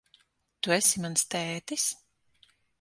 Tu esi mans tētis?